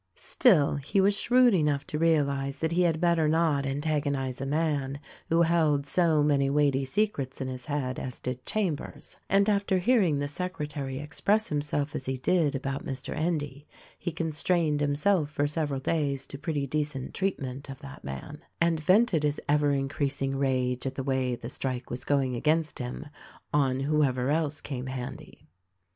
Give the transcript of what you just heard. Still he was shrewd enough to realize that he had better not antagonize a man who held so many weighty secrets in his head as did Chambers ; and after hearing the secretary express himself as he did about Mr. Endv he constrained himself for several days to pretty decent treatment of that man — and vented his ever increasing rage at the way the strike was going against him, on whoever else came handy.